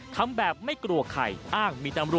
ทำแบบไม่กลัวใคร